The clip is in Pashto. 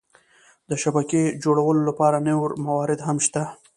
د شبکې جوړولو لپاره نور مواد هم شته.